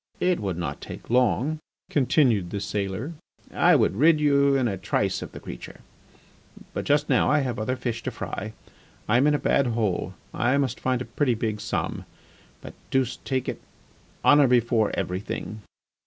"It would not take long," continued the sailor. "I would rid you in a trice of the creature. ... But just now I have other fish to fry. ... I am in a bad hole. I must find a pretty big sum. But, deuce take it, honour before everything."